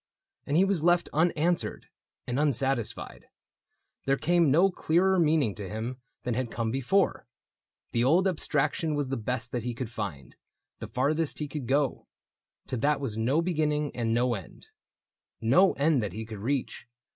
And he was left Unanswered and unsatisfied : there came No clearer meaning to him than had come Before ; the old abstraction was the best That he could find, the farthest he could go ; To that was no beginning and no end — No end that he could reach.